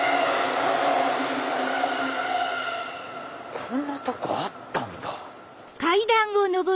こんなとこあったんだ。